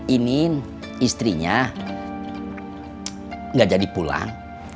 ini istrinya nggak jadi pulang